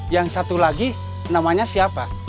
yang satu lagi namanya siapa